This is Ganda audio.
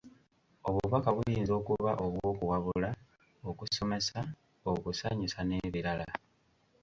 Obubaka buyinza okuba obw'okuwabula, okusomesa, okusanyusa n'ebirala.